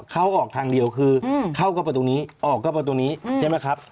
เข้าออกทางเดียวคือเข้าก็ประตูนี้ออกก็ประตูนี้ใช่ไหมครับ